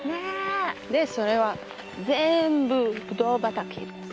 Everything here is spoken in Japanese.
でそれは全部ぶどう畑です。